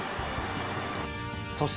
そして。